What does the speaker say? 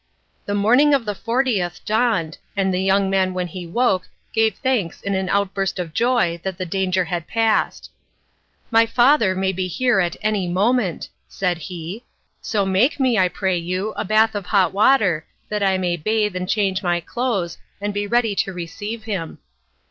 The morning of the fortieth dawned, and the young man when he woke gave thanks in an outburst of joy that the danger was passed. "My father may be here at any moment," said he, "so make me, I pray you, a bath of hot water, that I may bathe, and change my clothes, and be ready to receive him."